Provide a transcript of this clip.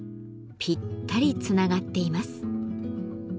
ぴったりつながっています。